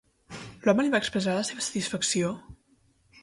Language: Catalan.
L'home li va expressar la seva satisfacció?